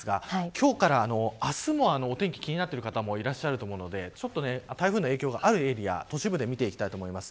今日から明日のお天気気になってる方もいると思うので台風の影響があるエリア都市部で見ていきます。